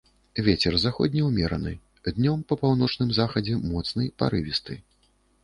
Вецер заходні ўмераны, днём па паўночным захадзе моцны парывісты.